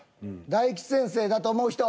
大吉先生だと思う人。